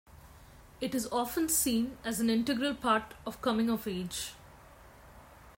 It is often seen as an integral part of coming of age.